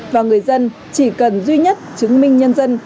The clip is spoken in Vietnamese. và người dân chỉ cần duy nhất chứng minh nhân dân